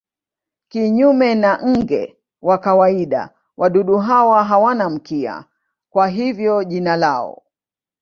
Kinyume na nge wa kawaida wadudu hawa hawana mkia, kwa hivyo jina lao.